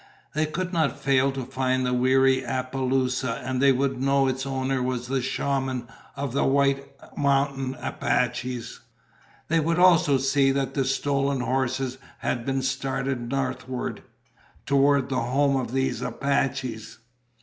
They could not fail to find the weary apaloosa and they would know its owner was the shaman of the White Mountain Apaches. They would also see that the stolen horses had been started northward, toward the home of these Apaches.